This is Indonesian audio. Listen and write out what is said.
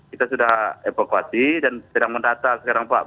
kita sudah evakuasi dan sedang mendata sekarang pak